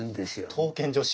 刀剣女子？